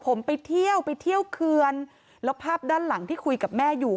ผมไปเที่ยวไปเที่ยวเคือนแล้วภาพด้านหลังที่คุยกับแม่อยู่